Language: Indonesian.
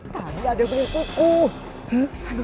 tadi ada menimpukku